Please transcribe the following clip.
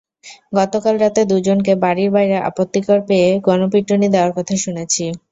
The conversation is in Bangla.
গতকাল রাতে দুজনকে বাড়ির বাইরে আপত্তিকর পেয়ে গণপিটুনি দেওয়ার কথা শুনেছি।